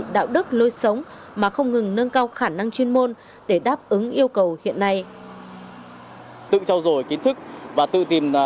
đạo đức lôi sống mà không ngừng nâng cao khả năng chuyên môn để đáp ứng yêu cầu